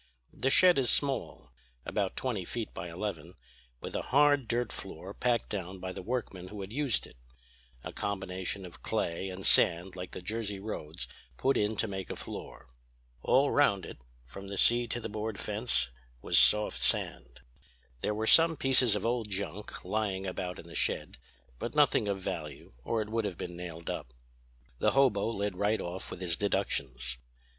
The shed is small, about twenty feet by eleven, with a hard dirt floor packed down by the workmen who had used it; a combination of clay and sand like the Jersey roads put in to make a floor. All round it, from the sea to the board fence, was soft sand. There were some pieces of old junk lying about in the shed; but nothing of value or it would have been nailed up. "The hobo led right off with his deductions.